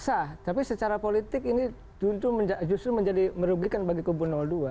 sah tapi secara politik ini justru menjadi merugikan bagi kubu dua